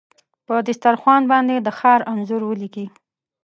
په دسترخوان باندې د ښار انځور ولیکې